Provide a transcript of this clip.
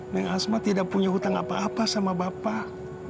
neng asmat tidak punya hutang apa apa sama bapak